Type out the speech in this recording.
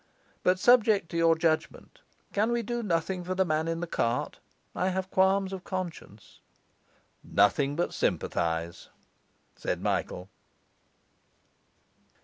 But subject to your judgement, can we do nothing for the man in the cart? I have qualms of conscience.' 'Nothing but sympathize,' said Michael.